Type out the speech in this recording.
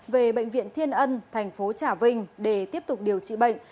về bệnh viện thiên ân tp trà vinh để tiếp tục điều trị bệnh